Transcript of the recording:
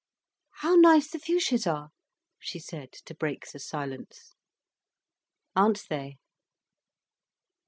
"How nice the fuchsias are!" she said, to break the silence. "Aren't they!